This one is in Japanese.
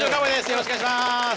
よろしくお願いします！